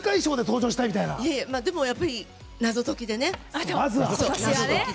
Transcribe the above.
でも、やっぱりまずは謎解きで。